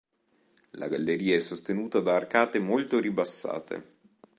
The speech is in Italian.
La galleria è sostenuta da arcate molto ribassate.